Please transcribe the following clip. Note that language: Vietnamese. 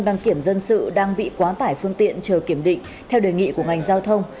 đăng kiểm dân sự đang bị quá tải phương tiện chờ kiểm định theo đề nghị của ngành giao thông